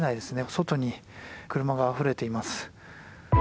外に車があふれています。